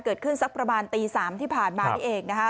สักประมาณตี๓ที่ผ่านมานี่เองนะคะ